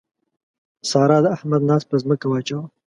سارا د احمد ناز پر ځمکه واچاوو.